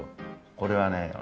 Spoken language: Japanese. これはね